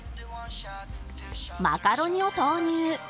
マカロニを投入